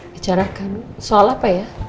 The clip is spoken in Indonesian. bicarakan soal apa ya